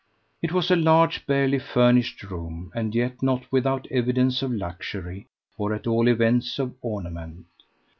It was a large barely furnished room, and yet not without evidence of luxury, or at all events of ornament.